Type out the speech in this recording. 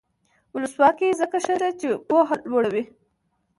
ولسواکي ځکه ښه ده چې پوهه لوړوي.